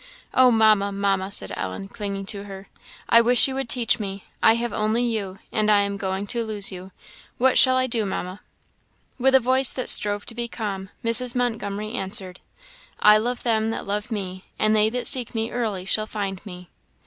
"Oh, Mamma, Mamma!" said Ellen, clinging to her, "I wish you would teach me! I have only you, and I am going to lose you. What shall I do, Mamma?" With a voice that strove to be calm, Mrs. Montgomery answered, " 'I love them that love me, and they that seek me early shall find me.'